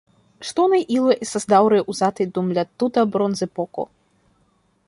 Ŝtonaj iloj estas daŭre uzataj dum la tuta bronzepoko.